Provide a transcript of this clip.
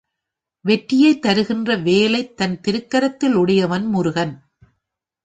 வெற்றியைத் தருகின்ற வேலைத் தன் திருக்கரத்தில் உடையவன் முருகன்.